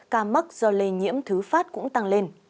ca mắc do lây nhiễm thứ phát cũng tăng lên